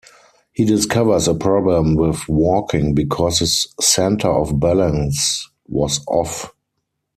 He discovers a problem with walking because his center of balance was off.